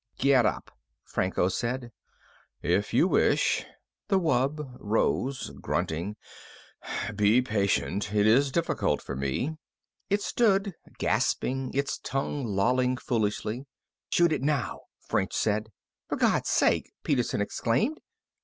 "Get up," Franco said. "If you wish." The wub rose, grunting. "Be patient. It is difficult for me." It stood, gasping, its tongue lolling foolishly. "Shoot it now," French said. "For God's sake!" Peterson exclaimed.